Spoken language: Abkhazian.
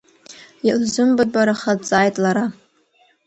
Илзымбатәбараха дҵааит лара.